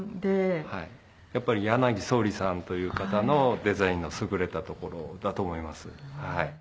やっぱり柳宗理さんという方のデザインの優れたところだと思います。